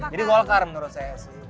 jadi golkar menurut saya sih